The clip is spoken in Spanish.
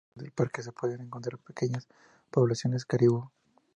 En los bosques del parque se pueden encontrar pequeñas poblaciones caribú.